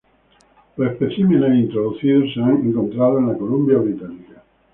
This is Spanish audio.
Los especímenes introducidos se han encontrado en la Columbia Británica.